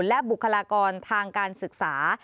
และบุคลากรทางการศึกษา